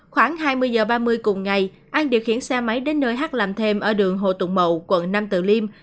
khoảng hai mươi h ba mươi cùng ngày an điều khiển xe máy đến nơi h làm thêm ở đường hồ tụng mậu quận năm tự liêm